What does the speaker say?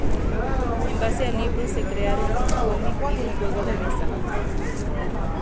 En base al libro se crearon un cómic y un juego de mesa.